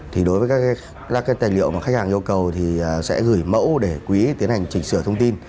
thì đối với các cái tài liệu mà khách hàng yêu cầu thì sẽ gửi mẫu để quý tiến hành chỉnh sửa thông tin